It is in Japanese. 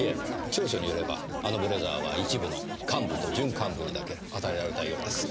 調書によればあのブレザーは一部の幹部と準幹部にだけ与えられたようです。